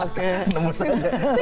jadi nembus aja